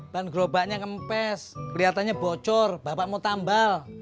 ban gerobaknya kempes keliatannya bocor bapak mau tambal